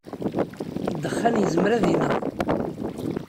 Ddexxan yezmer ad ineɣ.